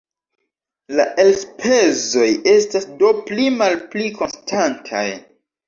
La elspezoj estas do pli-malpli konstantaj.